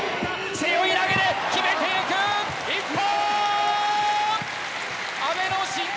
背負い投げで決めていく、一本！